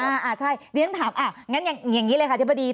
อ่าอ่าใช่เดี๋ยวฉันถามอ่างั้นอย่างอย่างงี้เลยค่ะเดี๋ยวพอดี